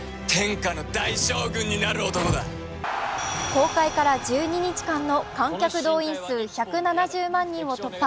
公開から１２日間の観客動員数１７０万人を突破。